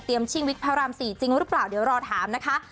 เตรียมชิงวิกพระรามสี่จริงหรือเปล่าเดี๋ยวรอถามนะคะ